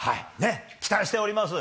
期待しております。